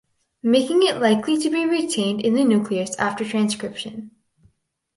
Making it likely to be retained in the nucleus after transcription.